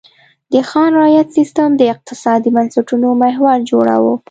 د خان رعیت سیستم د اقتصادي بنسټونو محور جوړاوه.